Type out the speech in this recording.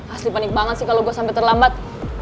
asli panik banget sih kalo gue sampe terlambat